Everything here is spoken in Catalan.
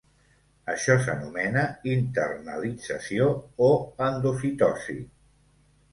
Això s'anomena internalització o endocitosi.